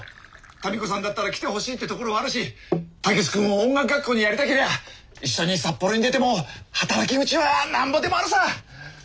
民子さんだったら来てほしいってところはあるし武志君を音楽学校にやりたけりゃ一緒に札幌に出ても働き口はなんぼでもあるさ。